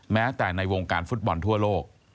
แม้แต่ในวงการฟุตบอลทั่วโลก